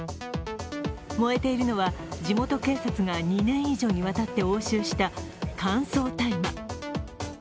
燃えているのは、地元警察が２年以上にわたって押収した乾燥大麻。